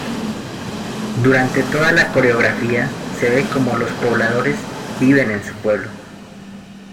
Durante toda la coreografía se ve cómo los pobladores viven en su pueblo.